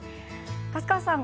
粕川さん